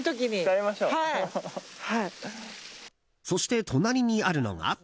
そして、隣にあるのが。